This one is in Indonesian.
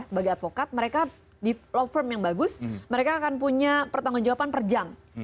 sebagai advokat mereka di law firm yang bagus mereka akan punya pertanggung jawaban per jam